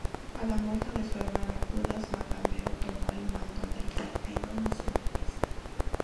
A la muerte de su hermano Judas Macabeo, tomó el mando del partido nacionalista.